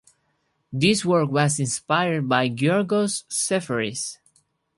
This work was inspired by Giorgos Seferis.